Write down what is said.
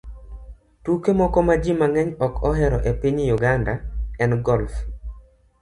Tuke moko ma ji mang'eny ok ohero ahinya e piny Uganda en golf